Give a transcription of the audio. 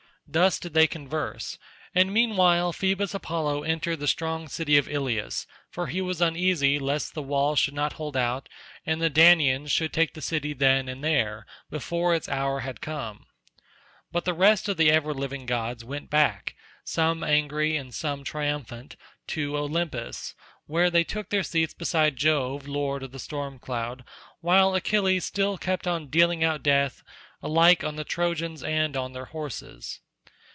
Thus did they converse, and meanwhile Phoebus Apollo entered the strong city of Ilius, for he was uneasy lest the wall should not hold out and the Danaans should take the city then and there, before its hour had come; but the rest of the ever living gods went back, some angry and some triumphant to Olympus, where they took their seats beside Jove lord of the storm cloud, while Achilles still kept on dealing out death alike on the Trojans and on their horses.